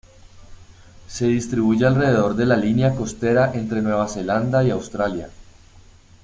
Se distribuye alrededor de la línea costera entre Nueva Zelanda y Australia.